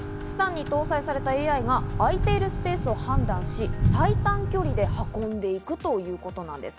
Ｓｔａｎに搭載されたＡＩが空いているスペースを判断し、最短距離で運んでいくということなんです。